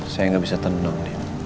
saya gak bisa teneng